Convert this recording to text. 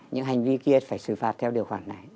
những hành vi kia phải xử phạt theo điều khoản này